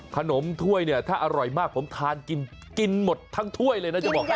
ขนมถ้วยถ้าอร่อยมากผมทานกินหมดทั้งถ้วยเลยน่าจะบอกให้